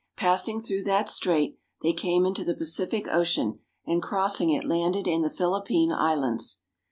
Passing through that strait, they came into the Pacific Ocean, and crossing it landed in the Philippine Islands.